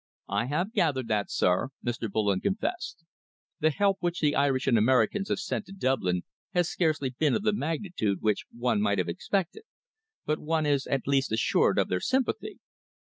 "I have gathered that, sir," Mr. Bullen confessed. "The help which the Irish and Americans have sent to Dublin has scarcely been of the magnitude which one might have expected, but one is at least assured of their sympathy."